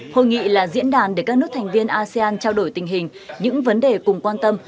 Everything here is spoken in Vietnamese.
hội nghị là diễn đàn để các nước thành viên asean trao đổi tình hình những vấn đề cùng quan tâm